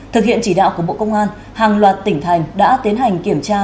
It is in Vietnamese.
thực hiện chỉ đạo của bộ công an hàng loạt tỉnh thành đã tiến hành kiểm tra